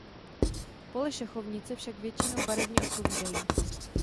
Pole šachovnice však většinou barevně odpovídají.